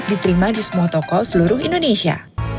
diterima di semua toko seluruh indonesia